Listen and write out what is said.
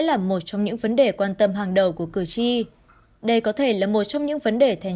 là một trong những vấn đề quan tâm hàng đầu của cử tri đây có thể là một trong những vấn đề thành